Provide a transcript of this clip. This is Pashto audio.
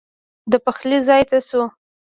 د پخلي ځای ته شوه.